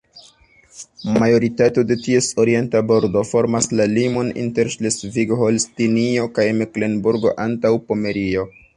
Majoritato de ties orienta bordo formas la limon inter Ŝlesvigo-Holstinio kaj Meklenburgo-Antaŭpomerio.